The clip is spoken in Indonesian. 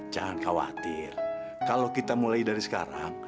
jangan khawatir kalau kita mulai dari sekarang